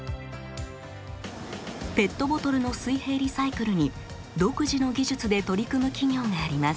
ペットボトルの水平リサイクルに独自の技術で取り組む企業があります。